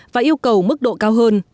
và yêu cầu mức độ cao hơn